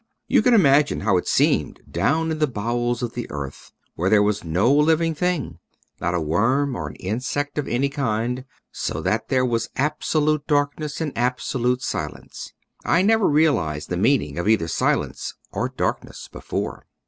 You can imagine how it seemed down in the bowels of the earth, where there was no living thing, not a worm or an insect of any kind, so that there was absolute darkness and absolute silence. I never realized the meaning of either silence or darkness before.